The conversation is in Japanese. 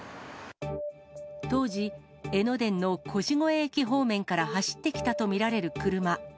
当時、江ノ電の腰越駅方面から走ってきたと見られる車。